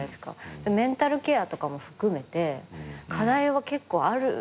メンタルケアとかも含めて課題は結構あるんですよね。